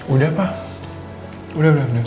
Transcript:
udah pak udah udah udah pak